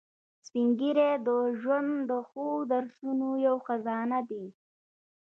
سپین ږیری د ژوند د ښو درسونو یو خزانه دي